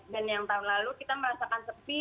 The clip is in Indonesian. dan yang tahun lalu kita merasakan sepi